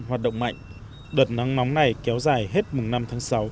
hoạt động mạnh đợt nắng nóng này kéo dài hết mùng năm tháng sáu